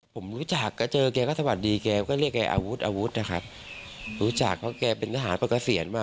ผมรู้จักก็เจอแกก็สวัสดีแกก็เรียกแกอาวุธอาวุธนะครับรู้จักเพราะแกเป็นทหารประเกษียณว่า